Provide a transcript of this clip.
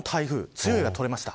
強いが取れました。